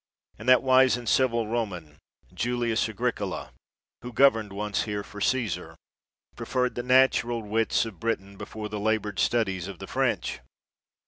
And that wise and civil Roman, Julius Agricola, who governed once here for Caesar, preferred the natural wits of Britain before the labored stud ies of the French.